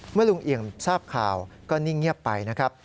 ลุงเอี่ยมทราบข่าวก็นิ่งเงียบไปนะครับ